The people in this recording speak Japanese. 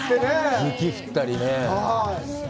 雪降ったりね。